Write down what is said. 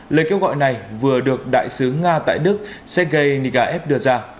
lời kêu gọi này vừa được đại sứ nga tại đức sergei negaev đưa ra